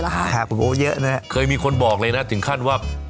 แล้วฮะครับโอ้เยอะนะฮะเคยมีคนบอกเลยนะถึงขั้นว่า